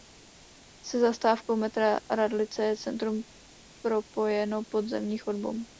Se zastávkou metra Radlice je centrum propojeno podzemní chodbou.